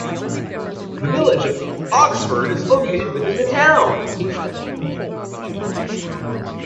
The Village of Oxford is located within the town.